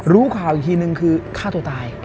รู้ข่าวอีกทีนึงคือฆ่าตัวตาย